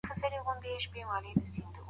دواړو ته یو شان ورکړئ.